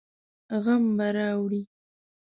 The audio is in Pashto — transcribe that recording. غم به راوړي.